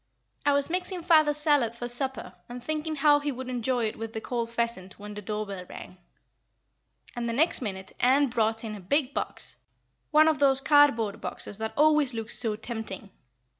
I was mixing father's salad for supper and thinking how he would enjoy it with the cold pheasant when the door bell rang, and the next minute Ann brought in a big box one of those cardboard boxes that always look so tempting.